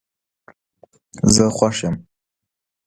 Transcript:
زه خوش یم